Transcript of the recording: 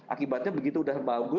akibatnya begitu sudah bagus